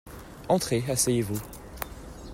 Entrez, asseyez-vous.